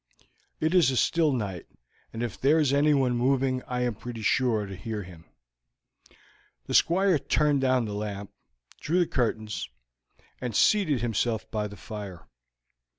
It is a still night, and if there is anyone moving I am pretty sure to hear him." The Squire turned down the lamp, drew the curtains, and seated himself by the fire.